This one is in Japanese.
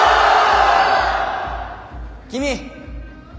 君！